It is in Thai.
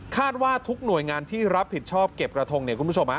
ว่าทุกหน่วยงานที่รับผิดชอบเก็บกระทงเนี่ยคุณผู้ชมฮะ